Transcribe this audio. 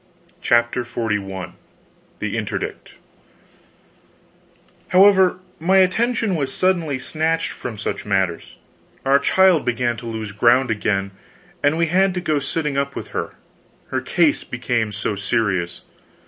CHAPTER XLI THE INTERDICT However, my attention was suddenly snatched from such matters; our child began to lose ground again, and we had to go to sitting up with her, her case became so serious.